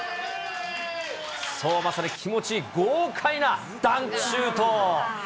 そう、まさに気持ちいい豪快なダンクシュート。